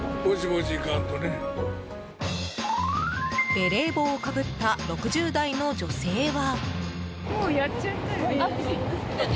ベレー帽をかぶった６０代の女性は。